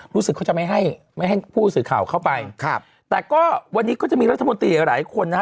รู้สึกเขาจะไม่ให้ไม่ให้ผู้สื่อข่าวเข้าไปครับแต่ก็วันนี้ก็จะมีรัฐมนตรีหลายคนนะฮะ